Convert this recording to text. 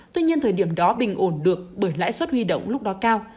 tuy nhiên thời điểm đó bình ổn được bởi lãi suất huy động lúc đó cao